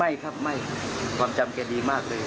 ไม่ครับไม่ครับความจำแกดีมากเลย